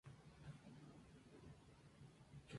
Puede ser probable una muestra histórica del Volcán Chimborazo.